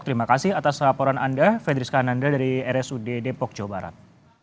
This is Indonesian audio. terima kasih atas laporan anda fedris kananda dari rsud depok jawa barat